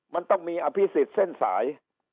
มันต้องมีอภิษฎเส้นสาย